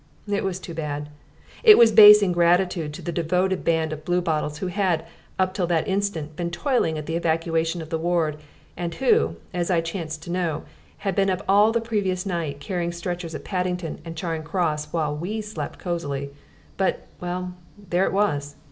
It was too bad. It was base ingratitude to the devoted band of Bluebottles who had, up till that instant, been toiling at the evacuation of the ward and who, as I chanced to know, had been up all the previous night, carrying stretchers at Paddington and Charing Cross, while we slept cosily. But well, there it was.